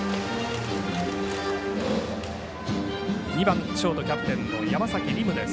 ２番、ショート、キャプテンの山崎凌夢です。